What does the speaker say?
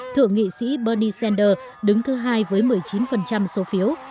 thượng nghị sĩ bernie sanders đứng thứ hai với một mươi chín số phiếu